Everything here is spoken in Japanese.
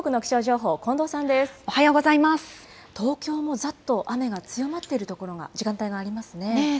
東京もざっと雨が強まっている時間帯のところがありますね。